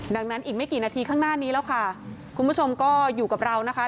ดังนั้นอีกไม่กี่นาทีข้างหน้านี้แล้วค่ะคุณผู้ชมก็อยู่กับเรานะคะ